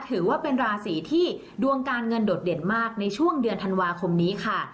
ถือว่าเป็นราศีที่ดวงการเงินโดดเด่นมากในช่วงเดือนธันวาคมนี้ค่ะ